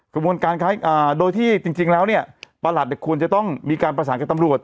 กระบวนการค้าโดยที่จริงแล้วเนี่ยประหลัดควรจะต้องมีการประสานกับตำรวจ